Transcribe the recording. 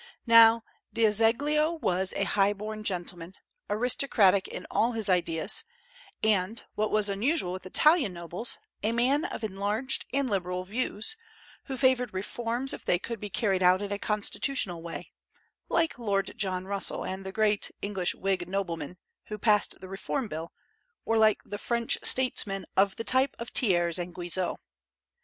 Now D'Azeglio was a high born gentleman, aristocratic in all his ideas, and, what was unusual with Italian nobles, a man of enlarged and liberal views, who favored reforms if they could be carried out in a constitutional way, like Lord John Russell and the great English Whig noblemen who passed the Reform Bill, or like the French statesmen of the type of Thiers and Guizot.